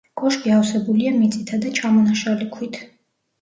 კოშკი ავსებულია მიწითა და ჩამონაშალი ქვით.